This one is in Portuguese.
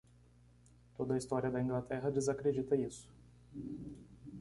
Toda a história da Inglaterra desacredita isso.